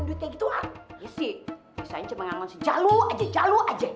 iya sih biasanya cuma nganggap si jalu aja jalu aja